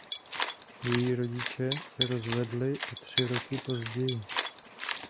Její rodiče se rozvedli o tři roky později.